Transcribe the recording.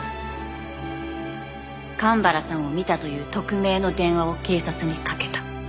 神原さんを見たという匿名の電話を警察にかけた。